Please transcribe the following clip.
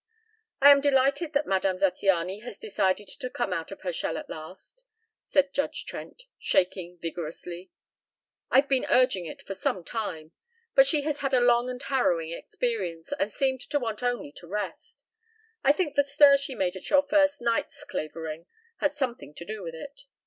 "I am delighted that Madame Zattiany has decided to come out of her shell at last," said Judge Trent, shaking vigorously. "I've been urging it for some time. But she has had a long and harrowing experience, and seemed to want only to rest. I think the stir she made at your first nights, Clavering, had something to do with it.